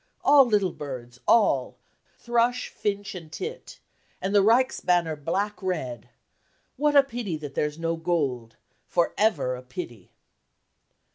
All little birds , all , Thrush, finch and tit And the Reichsbanner black red ... What ... a pity that there's no gold , For ever a pity